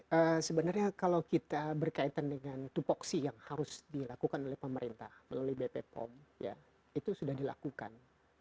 dan sebenarnya kalau kita berkaitan dengan tupoksi yang harus dilakukan oleh pemerintah melalui bpom itu sudah dilakukan